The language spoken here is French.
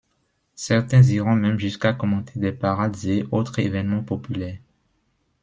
Certains iront même jusqu'à commenter des parades et autres évènements populaires.